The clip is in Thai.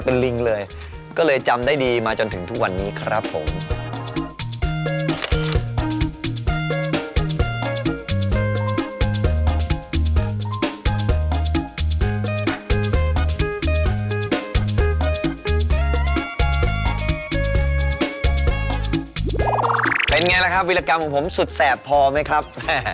เป็นไงล่ะครับวิรากรรมของผมสุดแสบพอไหมครับ